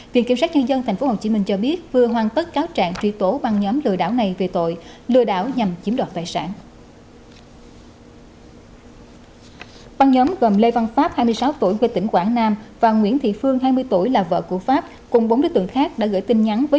viện kiểm sát nhân dân tp hcm cho biết vừa hoàn tất cáo trạng truy tố băng nhóm lừa đảo này về tội lừa đảo nhằm chiếm đoạt tài sản